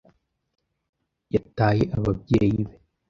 yataye ababyeyi be.